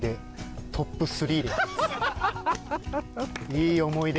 いい思い出！